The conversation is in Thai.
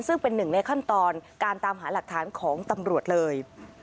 ซึ่งเป็นหนึ่งในขั้นตอนการตามหาหลักฐานของตำรวจเลย